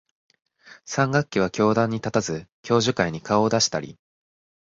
三学期は教壇に立たず、教授会に顔を出したり、